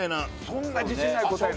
そんな自信ない答え